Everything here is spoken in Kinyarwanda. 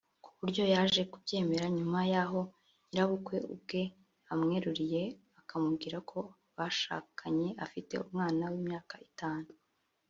ku buryo yaje kubyemera nyuma y’aho nyirabukwe ubwe amweruriye akamubwira ko bashakanye afite umwana w’imyaka itanu